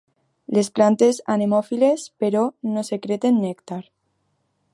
Les plantes anemòfiles, però, no secreten nèctar.